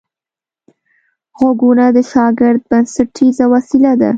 غوږونه د شاګرد بنسټیزه وسیله ده